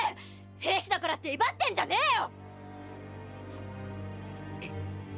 兵士だからって威張ってんじゃねぇよ！